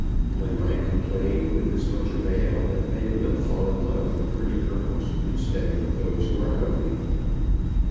One might complain with as much avail that men will fall in love with pretty girls instead of with those who are ugly!